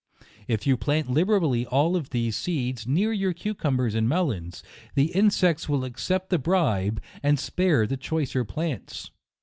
If you plant liberally of these seeds, near your cu cumbers and melons, the insect will accept the bribe, and spare the choicer plants.